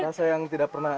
rasa yang tidak pernah ada